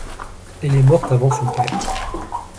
Elle est morte avant son père.